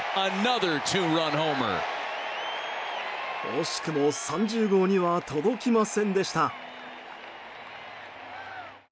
惜しくも３０号には届きませんでした。